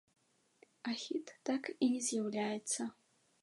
А хіт так і не з'яўляецца.